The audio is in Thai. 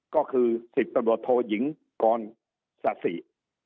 ก็คือสิทธิ์ตำรวจโทยิงก่อนสะสี